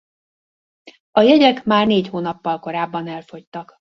A jegyek már négy hónappal korábban elfogytak.